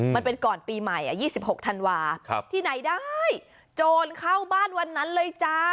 มันเป็นก่อนปีใหม่๒๖ธันวาที่ไหนได้โจรเข้าบ้านวันนั้นเลยจ้า